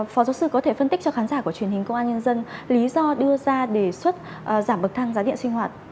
phó giáo sư có thể phân tích cho khán giả của truyền hình công an nhân dân lý do đưa ra đề xuất giảm bậc thang giá điện sinh hoạt